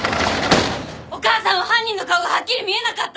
お母さんは犯人の顔がはっきり見えなかった。